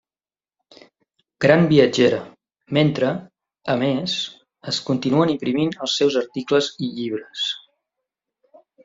Gran viatgera, mentre, a més, es continuen imprimint els seus articles i llibres.